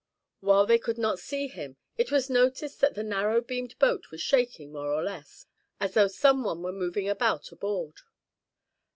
While they could not see him, it was noticed that the narrow beamed boat was shaking more or less, as though some one were moving about aboard.